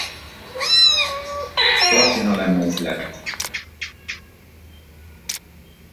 Platinalemez lett.